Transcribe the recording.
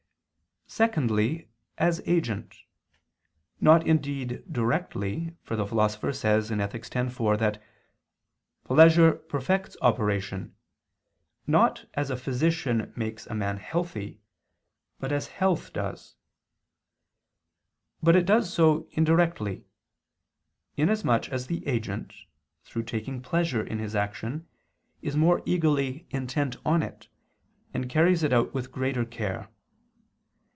Secondly, as agent; not indeed directly, for the Philosopher says (Ethic. x, 4) that "pleasure perfects operation, not as a physician makes a man healthy, but as health does": but it does so indirectly; inasmuch as the agent, through taking pleasure in his action, is more eagerly intent on it, and carries it out with greater care.